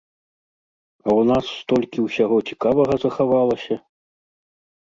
А ў нас столькі ўсяго цікавага захавалася!